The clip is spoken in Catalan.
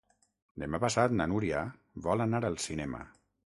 Demà passat na Núria vol anar al cinema.